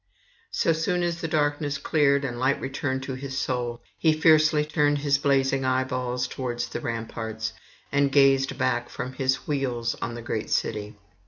So soon as the darkness cleared and light returned to his soul, he fiercely turned his blazing eyeballs towards the ramparts, and gazed back from his wheels on the great city.